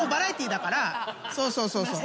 そうそうそうそう。